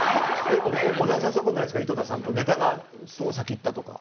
小沢さんそういうことないですか井戸田さんとネタが先にいったとか。